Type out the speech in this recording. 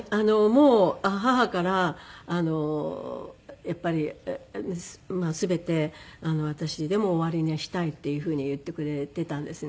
もう母からやっぱりまあ全て私でもう終わりにはしたいっていうふうに言ってくれていたんですね。